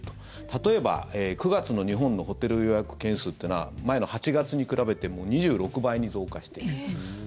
例えば、９月の日本のホテル予約件数というのは前の８月に比べて２６倍に増加している。